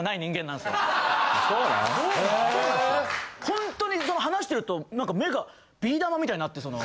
ホントに話してると目がビー玉みたいになって。